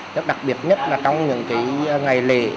rất đặc biệt nhất là trong những ngày lễ